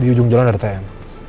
di ujung jalan ada tm